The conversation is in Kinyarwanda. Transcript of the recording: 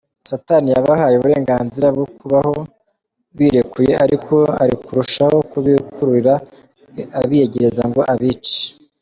Satani yabahaye uburenganzira bwo kubaho "Birekuye" ariko ari kurushaho kubikururira abiyegereza ngo abice.